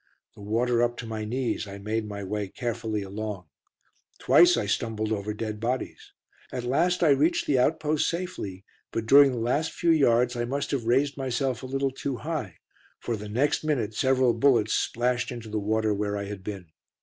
The water up to my knees, I made my way carefully along. Twice I stumbled over dead bodies. At last I reached the outpost safely, but during the last few yards I must have raised myself a little too high, for the next minute several bullets splashed into the water where I had been.